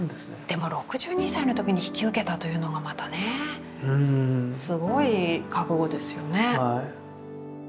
でも６２歳の時に引き受けたというのがまたねすごい覚悟ですよね。